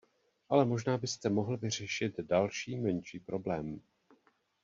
Ale možná byste mohl vyřešit další menší problém.